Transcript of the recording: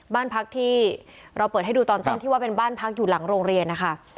บ้านพักที่เราเปิดให้ดูตอนต้นที่ว่าเป็นบ้านพักอยู่หลังโรงเรียนนะคะ